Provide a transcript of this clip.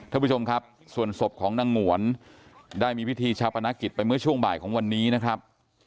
ท่านผู้ชมครับส่วนศพของนางหงวนได้มีพิธีชาปนกิจไปเมื่อช่วงบ่ายของวันนี้นะครับ